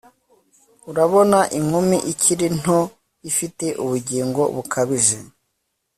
urabona inkumi ikiri nto ifite ubugingo bukabije